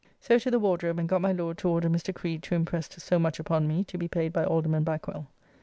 So to the Wardrobe and got my Lord to order Mr. Creed to imprest so much upon me to be paid by Alderman Backwell.